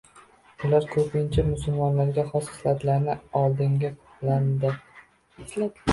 Ularda koʻpincha musulmonlarga xos hislatlarni oldingi planda.